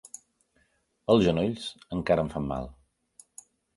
Els genolls encara em fan mal.